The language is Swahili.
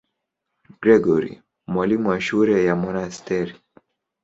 Gregori, mwalimu wa shule ya monasteri.